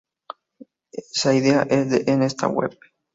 Esa idea es esta web.